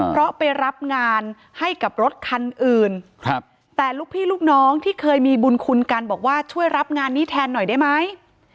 เพราะไปรับงานให้กับรถคันอื่นแต่ลูกพี่ลูกน้องที่เคยมีบุญคุณกันบอกว่าช่วยรับงานนี้แทนหน่อยได้ไหม